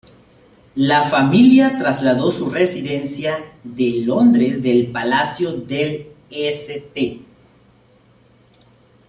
La familia trasladó su residencia de Londres del Palacio del St.